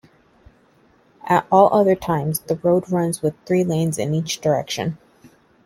At all other times, the road runs with three lanes in each direction.